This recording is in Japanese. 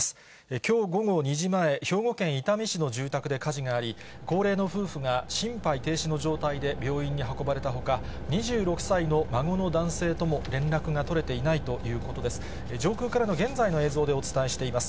きょう午後２時前、兵庫県伊丹市の住宅で火事があり、高齢の夫婦が、心肺停止の状態で病院に運ばれたほか、２６歳の孫の男性とも連絡が取れていないということです。